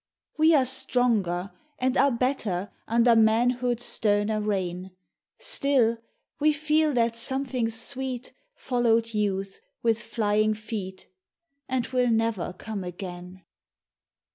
We are stronger, and are better, Under manhood's sterner reign ; Still we feel that something sweet Followed youth, with Hying feet. And will never come again.